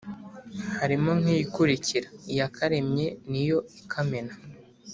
harimo nk’iyi ikurikira: “iyakaremye ni yo ikamena”,